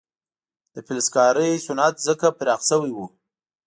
د فلزکارۍ صنعت ځکه پراخ شوی و.